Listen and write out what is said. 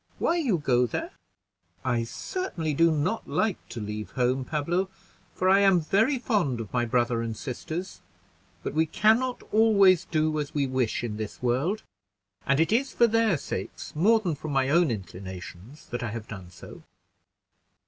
Why you go there?" "I certainly do not like to leave home, Pablo, for I am very fond of my brother and sisters; but we can not always do as we wish in this world, and it is for their sakes, more than from my own inclinations, that I have done so."